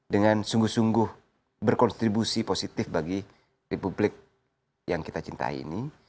dengan sungguh sungguh berkontribusi positif bagi republik yang kita cintai ini